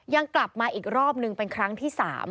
ยังกลับมาอีกรอบนึงเป็นครั้งที่๓